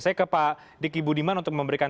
saya ke pak diki budiman untuk memberikan